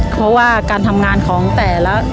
เพราะว่าการทำงานของแต่ละ